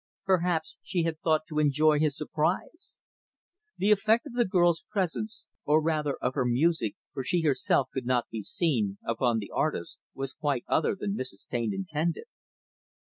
Perhaps she had thought to enjoy his surprise. The effect of the girl's presence or rather of her music, for she, herself, could not be seen upon the artist was quite other than Mrs. Taine intended.